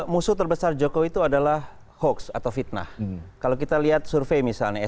musuh terbesar jokowi itu adalah hoax atau fitnah kalau kita lihat survei misalnya